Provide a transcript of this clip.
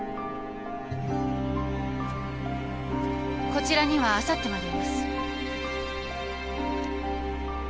こちらにはあさってまでいます。